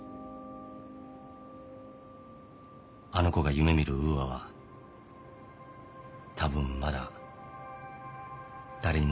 あの子が夢見るウーアは多分まだ誰にも見えない。